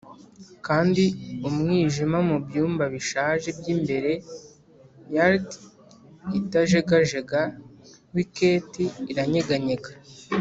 kandi umwijima mubyumba bishaje byimbere-yard itajegajega-wiketi iranyeganyega